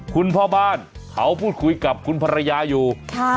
คุณพ่อบ้านเขาพูดคุยกับคุณภรรยาอยู่